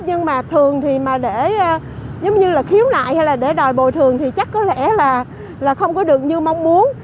nhưng mà thường thì mà để giống như là khiếu nại hay là để đòi bồi thường thì chắc có lẽ là không có được như mong muốn